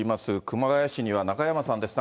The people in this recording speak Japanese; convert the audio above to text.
熊谷市には中山さんです。